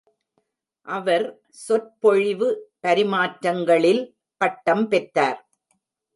அவர் சொற்பொழிவு பரிமாற்றங்களில் பட்டம் பெற்றார்.